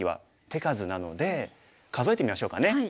手数なので数えてみましょうかね。